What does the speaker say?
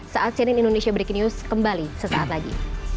saat cnn indonesia breaking news kembali sesaat lagi